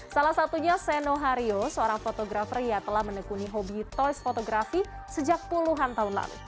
salah satunya seno hario seorang fotografer yang telah menekuni hobi toys fotografi sejak puluhan tahun lalu